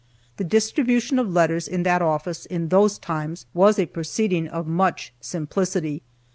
The distribution of letters in that office in those times was a proceeding of much simplicity.